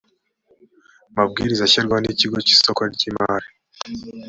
mabwiriza ashyirwaho n ikigo cy isoko ry imari